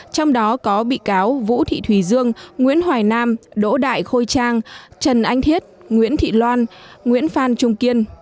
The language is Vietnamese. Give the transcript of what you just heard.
trong đó có bị cáo vũ thị thùy dương nguyễn hoài nam đỗ đại khôi trang trần anh thiết nguyễn thị loan nguyễn phan trung kiên